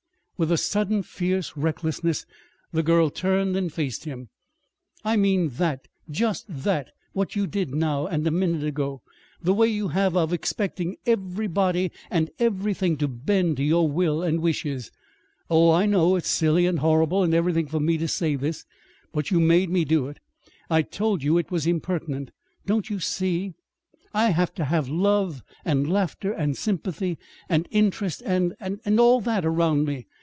With a sudden fierce recklessness the girl turned and faced him. "I mean that just that what you did now, and a minute ago. The way you have of of expecting everybody and everything to bend to your will and wishes. Oh, I know, it's silly and horrible and everything for me to say this. But you made me do it. I told you it was impertinent! Don't you see? I'd have to have love and laughter and sympathy and interest and and all that around me.